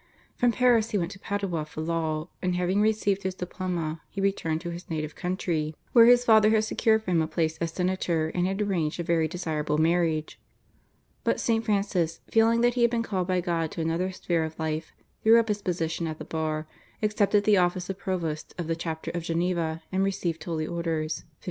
From Paris he went to Padua for law, and having received his diploma he returned to his native country, where his father had secured for him a place as senator and had arranged a very desirable marriage. But St. Francis, feeling that he had been called by God to another sphere of life, threw up his position at the bar, accepted the office of provost of the chapter of Geneva, and received Holy Orders (1593).